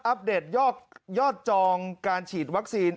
อปเดตยอดจองการฉีดวัคซีน